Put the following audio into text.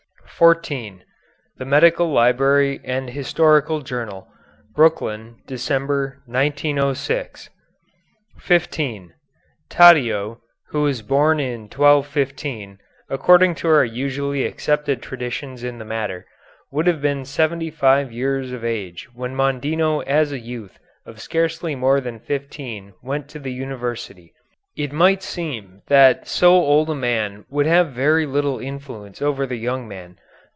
] [Footnote 14: The Medical Library and Historical Journal, Brooklyn, December, 1906.] [Footnote 15: Taddeo, who was born in 1215, according to our usually accepted traditions in the matter, would have been seventy five years of age when Mondino as a youth of scarcely more than fifteen went to the University. It might seem that so old a man would have very little influence over the young man.